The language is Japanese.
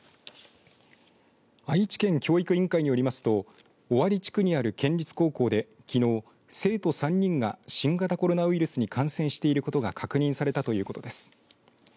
愛知県教育委員会によりますと尾張地区にある県立高校できのう、生徒３人が新型コロナウイルスに感染していることが確認されたということです。